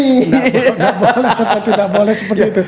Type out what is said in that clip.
tidak boleh tidak boleh seperti itu